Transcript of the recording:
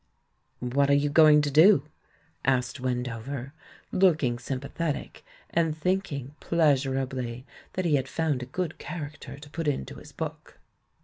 "What are you going to do?" asked Wendo ver, looking sympathetic, and thinking pleasur ably that he had found a good character to put into his book.